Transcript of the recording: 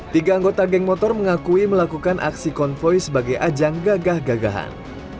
tiga anggota geng motor mengakui melakukan aksi konvoy sebagai ajang gagah gagahan